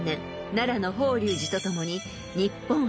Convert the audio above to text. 奈良の法隆寺とともに］